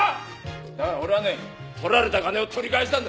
だから俺はね取られた金を取り返したんだ。